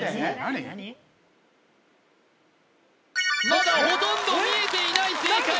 まだほとんど見えていない正解！